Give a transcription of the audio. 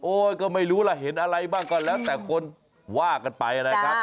โอ๊ยก็ไม่รู้ล่ะเห็นอะไรบ้างก็แล้วแต่คนว่ากันไป